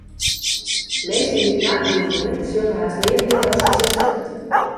Minsken dy't nachtblyn binne, sjogge hast neat mear as it tsjuster wurdt.